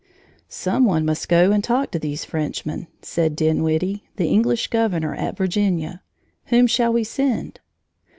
"Some one must go and talk to these Frenchmen," said Dinwiddie, the English governor at Virginia, "whom shall we send?"